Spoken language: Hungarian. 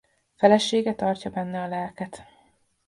Felesége tartja benne a lelket.